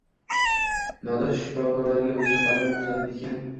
Nodir shifokorlarga o‘zini batamom tuzalib ketgan